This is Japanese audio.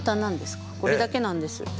これだけなんです材料は。